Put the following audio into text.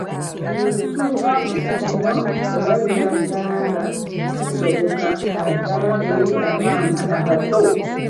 Mu butuufu kino olabira ddala nga kisoboka naddala eri abaana abato.